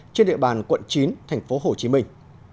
trên địa bàn quận chín thành phố hồ chí minh